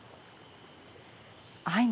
アイヌ